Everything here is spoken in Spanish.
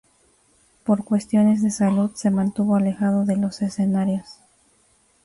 Por cuestiones de salud, se mantuvo alejado de los escenarios.